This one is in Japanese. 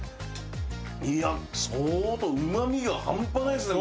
いや相当うまみが半端ないですね